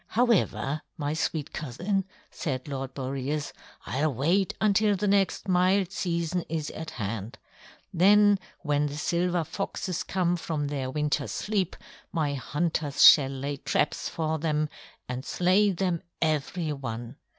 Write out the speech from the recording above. "However, my sweet cousin," said Lord Boreas, "I'll wait until the next mild season is at hand. Then when the silver foxes come from their winter's sleep, my hunters shall lay traps for them and slay them every one.